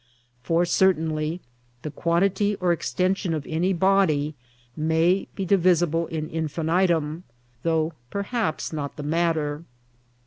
For certainly the quantity or extension of any body may be Divisible in infinitum, though perhaps not the matter.